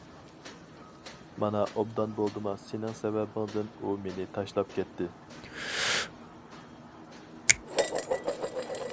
مانا ئوبدان بولدىما سېنىڭ سەۋەبىڭدىن ئۇ مېنى تاشلاپ كەتتى!